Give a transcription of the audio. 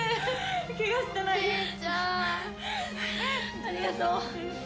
ありがとう！